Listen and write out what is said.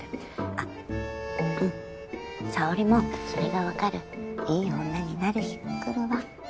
あっうん沙織もそれがわかるいい女になる日が来るわ。